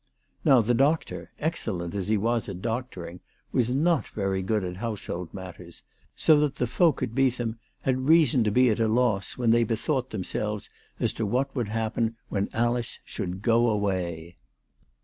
Now the doctor, excellent as he was at doctoring, was not very good at household matters, so that the folk at Beetham had reason to be at a loss when they be thought themselves as to what would happen when Alice should " go away."